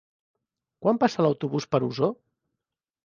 Quan passa l'autobús per Osor?